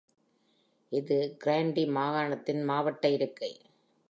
இது Grundy மாவட்டத்தின் மாவட்ட இருக்கை.